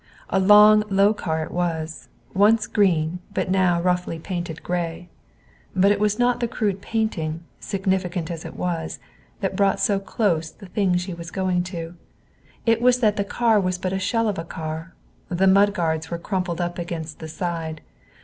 A long low car it was, once green, but now roughly painted gray. But it was not the crude painting, significant as it was, that brought so close the thing she was going to. It was that the car was but a shell of a car. The mud guards were crumpled up against the side.